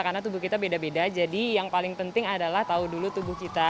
karena tubuh kita beda beda jadi yang paling penting adalah tahu dulu tubuh kita